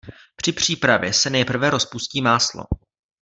Při přípravě se nejprve rozpustí máslo.